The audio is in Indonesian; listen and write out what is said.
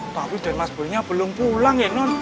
tapi demas boynya belum pulang ya non